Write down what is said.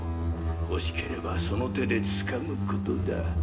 欲しければその手で掴むことだ。